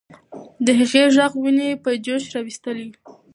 د هغې ږغ ويني په جوش راوستلې وې.